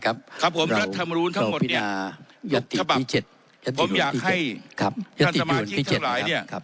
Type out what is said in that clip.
ครับผมรัฐธรรมรุนทั้งหมดเนี่ยของฉบับผมอยากให้ท่านสมาชิกทั้งหลายเนี่ย